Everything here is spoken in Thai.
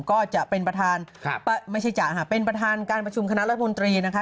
ก็จะเป็นประธานครับไม่ใช่จ๋าค่ะเป็นประธานการประชุมคณะรัฐมนตรีนะคะ